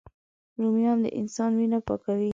رومیان د انسان وینه پاکوي